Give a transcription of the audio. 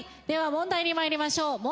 では問題に参りましょう。